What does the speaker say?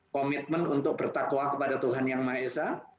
komitmen untuk bertakwa kepada tuhan yang maha esa